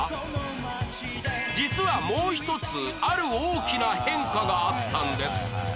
実はもう一つある大きな変化があったんです